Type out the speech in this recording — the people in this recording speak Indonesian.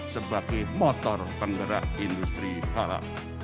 sebagai motor penggerak industri balap